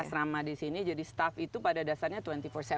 asrama di sini jadi staff itu pada dasarnya dua puluh empat